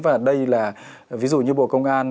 và đây là ví dụ như bộ công an